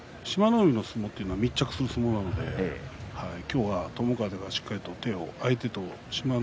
海の相撲というのは密着する相撲なので今日は友風がしっかりと相手、志摩ノ